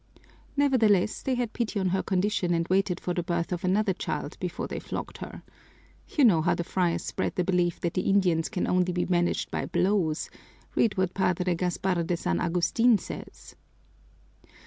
Nevertheless, they had pity on her condition and waited for the birth of another child before they flogged her. You know how the friars spread the belief that the Indians can only be managed by blows: read what Padre Gaspar de San Agustin says!